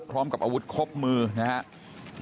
พร้อมกับอาวุธครบมือนะครับ